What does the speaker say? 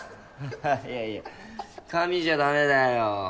ははっいやいや神じゃダメだよ。